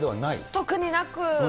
特になく。